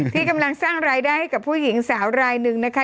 ที่กำลังสร้างรายได้ให้กับผู้หญิงสาวรายหนึ่งนะคะ